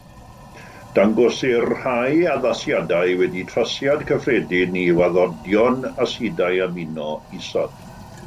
Dangosir rhai addasiadau wedi trosiad cyffredin i waddodion asidau amino isod.